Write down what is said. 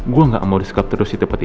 gue gak mau diskapter di tempat ini